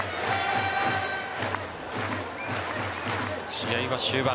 試合は終盤。